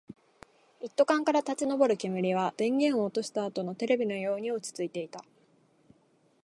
一斗缶から立ち上る煙は、電源を落としたあとのテレビのように落ち着いていた